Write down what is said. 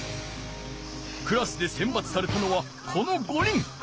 クラスで選ばつされたのはこの５人。